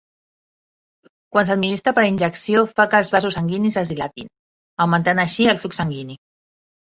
Quan s'administra per injecció fa que els vasos sanguinis es dilatin, augmentant així el flux sanguini.